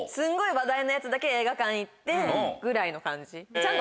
話題のやつだけ映画館行ってぐらいの感じ。